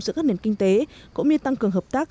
giữa các nền kinh tế cũng như tăng cường hợp tác